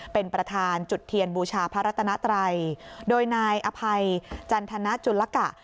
เป็นประธานจุดเทียนบูชาพระรัตนาไตรโดยนายอภัยจันทนาจุลกะ